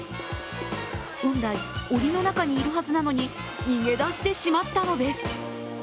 本来、おりの中にいるはずなのに逃げ出してしまったのです。